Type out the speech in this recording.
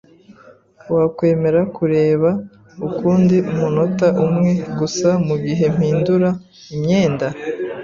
Wakwemera kureba ukundi munota umwe gusa mugihe mpinduye imyenda?